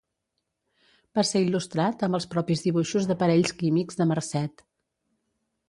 Va ser il·lustrat amb els propis dibuixos d'aparells químics de Marcet.